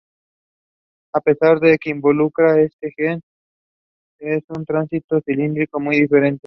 A pesar de que involucra a este gen, es un trastorno clínico muy diferente.